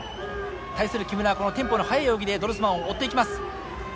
対する木村はこのテンポの速い泳ぎでドルスマンを追っていきます。